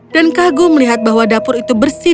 dan kagum melihat bahwa dapur itu bersih